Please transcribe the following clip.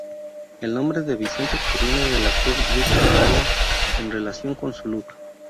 El nombre de Vicente proviene del actor Vincent Gallo, en relación con su "look".